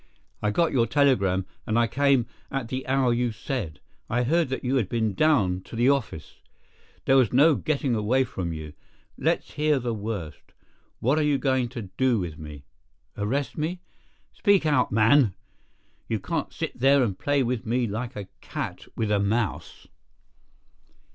"I got your telegram, and I came at the hour you said. I heard that you had been down to the office. There was no getting away from you. Let's hear the worst. What are you going to do with me? Arrest me? Speak out, man! You can't sit there and play with me like a cat with a mouse."